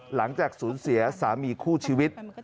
หลังจากสูญเสียสามีคู่ชีวิต